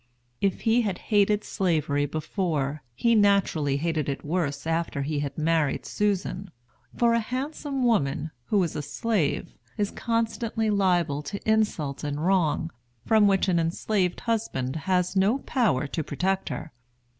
If he had hated Slavery before, he naturally hated it worse after he had married Susan; for a handsome woman, who is a slave, is constantly liable to insult and wrong, from which an enslaved husband has no power to protect her.